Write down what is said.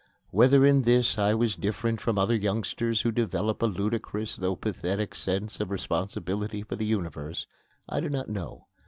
Whether in this I was different from other youngsters who develop a ludicrous, though pathetic, sense of responsibility for the universe, I do not know.